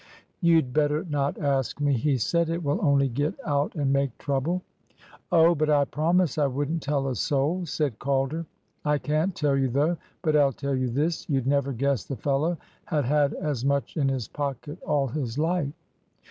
"You'd better not ask me," he said; "it will only get out and make trouble." "Oh! but I promise I wouldn't tell a soul," said Calder. "I can't tell you, though. But I'll tell you this. You'd never guess the fellow had had as much in his pocket all his life."